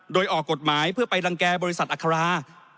โดยออกกฎหมายเพื่อไปรังแก่บริษัทอัครา